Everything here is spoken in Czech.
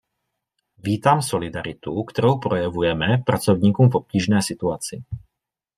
Vítám solidaritu, kterou projevujeme pracovníkům v obtížné situaci.